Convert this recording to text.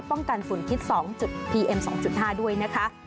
พีเอ็ม๒๕ด้วยนะคะ